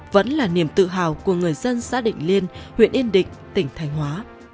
vẫn là niềm tự hào của người dân xã định liên huyện yên định tỉnh thành hóa